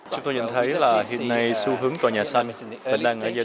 chúng tôi nhận thấy là hiện nay xu hướng tòa nhà xanh đang ở giai đoạn sơ khai ở việt nam